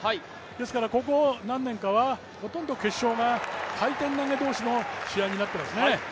ですからここ何年かはほとんど決勝は回転投げ同士の試合になっていますね。